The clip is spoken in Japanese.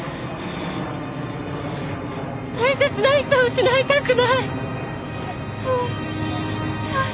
大切な人を失いたくない！